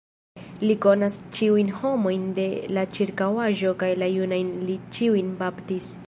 Li konas ĉiujn homojn de la ĉirkaŭaĵo kaj la junajn li ĉiujn baptis.